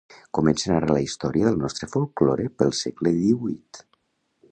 Comence a narrar la història del nostre folklore pel segle díhuit.